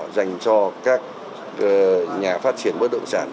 dành cho các nhà phát triển bất động sản